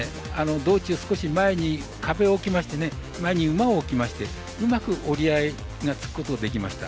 道中、前に壁をおきまして前に馬を置きましてうまく折り合いがつくことができました。